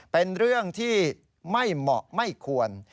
เป็นเรื่องที่ไม่เหมาะไม่ควร